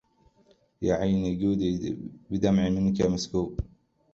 ياعين جودي بدمع منك مسكوب